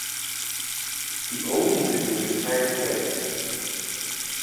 The Olney sisters retired together.